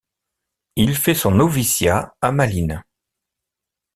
Il fait son noviciat à Malines.